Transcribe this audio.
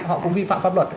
họ cũng vi phạm pháp luật